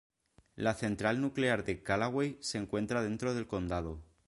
La Central Nuclear de Callaway se encuentra dentro del condado.